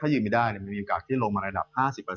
ยืนไม่ได้มีโอกาสที่ลงมาระดับ๕๐